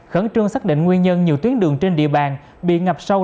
khẩn trương xác định nguyên nhân nhiều tuyến đường trên địa bàn bị ngập sâu